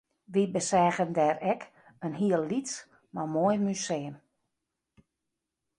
Wy beseagen dêr ek in hiel lyts mar moai museum